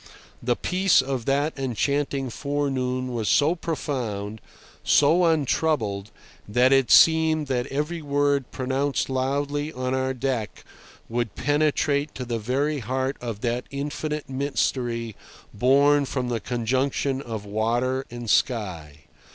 The peace of that enchanting forenoon was so profound, so untroubled, that it seemed that every word pronounced loudly on our deck would penetrate to the very heart of that infinite mystery born from the conjunction of water and sky.